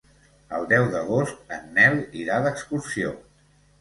El deu d'agost en Nel irà d'excursió.